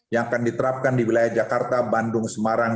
yang akan diterapkan di wilayah jakarta bandung semarang